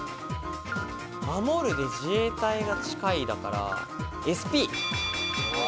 守るで自衛隊が近いだから、ＳＰ。